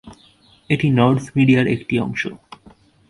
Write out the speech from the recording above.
এটি নর্ডস্ মিডিয়ার একটি অংশ।